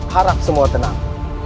harap semua tenang